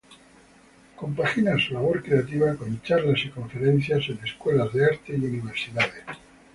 Compagina su labor creativa con charlas y conferencias en escuelas de arte y universidades.